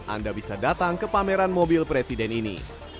anda bisa datang ke pameran mobil presiden ini